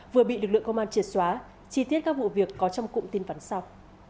vừa bị lực lượng công an triệt xóa chí tiết các vụ việc có trong cụm tin phắn sau